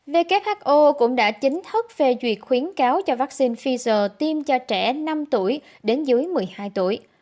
who cũng đã chính thức phê duyệt khuyến cáo cho vaccine pfizer tiêm cho trẻ năm tuổi đến dưới một mươi hai tuổi